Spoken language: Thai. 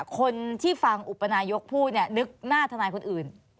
คนที่ฟังอุปนายกพูดเนี่ยนึกหน้าทนายคนอื่น